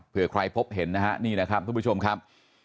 เผื่อใครพบเห็นนะครับทุกผู้ชมครับ